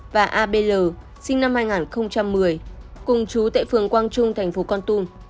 và apl sinh năm hai nghìn một mươi cùng chú tại phường quang trung tp con tum